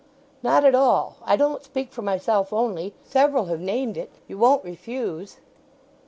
"Not at all. I don't speak for myself only, several have named it. You won't refuse?"